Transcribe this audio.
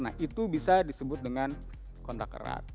nah itu bisa disebut dengan kontak erat